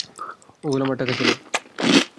ওগুলো আমার টাকা ছিল।